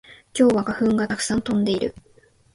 今日は花粉がたくさん飛んでいる